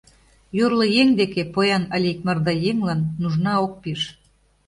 Йорло еҥ деке, поян але икмарда еҥлан нужна ок пиж.